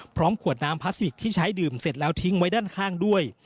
พร้อมขวดน้ำพลาสติกที่ใช้ดื่มเสร็จแล้วทิ้งไว้ด้านข้างด้วย